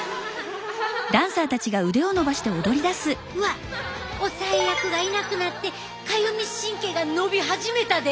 うわっ抑え役がいなくなってかゆみ神経が伸び始めたで！